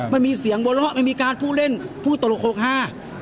มันมีเสียงโบร่ะมันมีการพูดเล่นพูดตลกโครคห้า